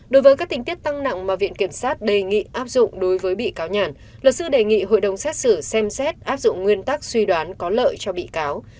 đối với các tình tiết tăng nặng mà viện kiểm sát đề nghị áp dụng đối với bị cáo nhàn luật sư đề nghị hội đồng xét xử xem xét áp dụng nguyên tắc suy đoán có lợi cho bị cáo